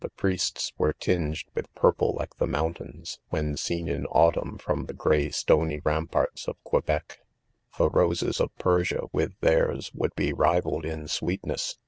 the priests,, were tingedWrth purple like: j the mountains, when seen iri autumn from the gray stony ramparts ' of Quebec. The roses of Persia, with theirs would; be rivalled in sweetness.